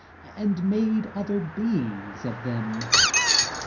made other beings of them.